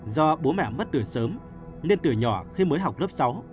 do bố mẹ mất từ sớm nên từ nhỏ khi mới học lớp sáu